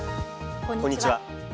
こんにちは。